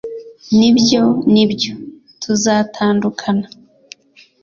nibyo! nibyo! tuzatandukana